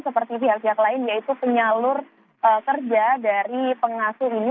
seperti pihak pihak lain yaitu penyalur kerja dari pengasuh ini